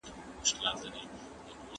قانع